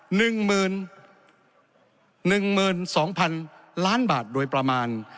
๑หมื่น๒พันล้านบาทโดยประมาณ